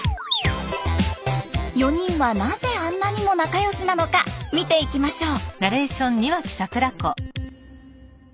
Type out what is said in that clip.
４人はなぜあんなにも仲良しなのか見ていきましょう。